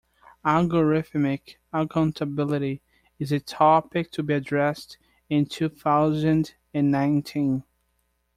Algorithmic accountability is a topic to be addressed in two thousand and nineteen.